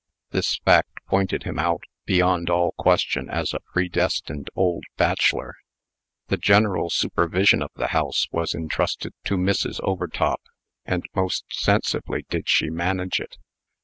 This fact pointed him out, beyond all question, as a predestined old bachelor. The general supervision of the house was intrusted to Mrs. Overtop; and most sensibly did she manage it.